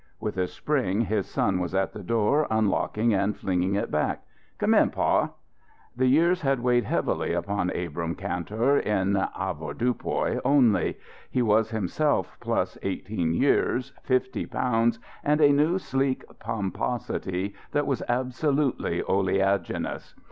With a spring, his son was at the door, unlocking and flinging it back. "Come in, pa." The years had weighed heavily upon Abrahm Kantor in avoirdupois only. He was himself plus eighteen years, fifty pounds, and a new sleek pomposity that was absolutely oleaginous.